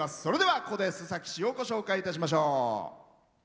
それでは、ここで須崎市をご紹介いたしましょう。